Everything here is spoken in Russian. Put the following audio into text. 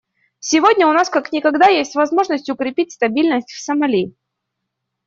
Сегодня у нас как никогда есть возможность укрепить стабильность в Сомали.